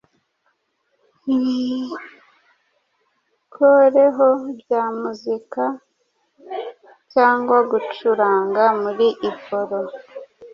ibikoreho bya muzika cyangwa gucuranga muri iporo